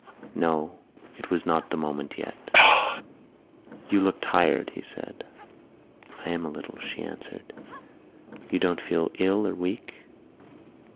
No, it was not the moment yet. "You looked tired," he said. "I am a little," she answered. "You don't feel ill or weak?"